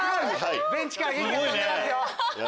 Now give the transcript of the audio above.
ベンチからげきが飛んでますよ。